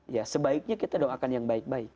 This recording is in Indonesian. ya sebaiknya kita doakan yang baik baik